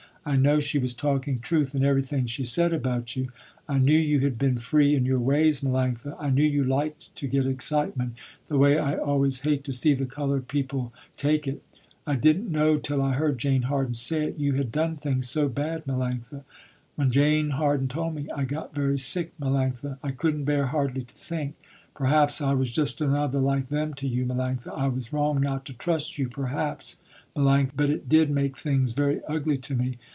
I know she was talking truth in everything she said about you. I knew you had been free in your ways, Melanctha, I knew you liked to get excitement the way I always hate to see the colored people take it. I didn't know, till I heard Jane Harden say it, you had done things so bad, Melanctha. When Jane Harden told me, I got very sick, Melanctha. I couldn't bear hardly, to think, perhaps I was just another like them to you, Melanctha. I was wrong not to trust you perhaps, Melanctha, but it did make things very ugly to me.